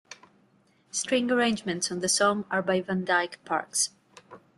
String arrangements on the song are by Van Dyke Parks.